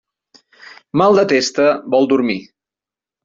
Mal de testa vol dormir.